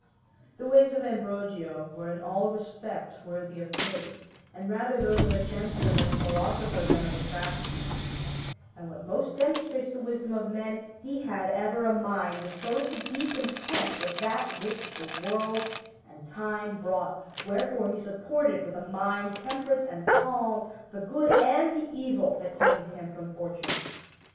The ways of Ambrogio were in all respects worthy of praise, and rather those of a gentleman and a philosopher than of a craftsman; and what most demonstrates the wisdom of men, he had ever a mind disposed to be content with that which the world and time brought, wherefore he supported with a mind temperate and calm the good and the evil that came to him from fortune.